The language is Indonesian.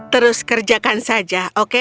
terus kerjakan saja oke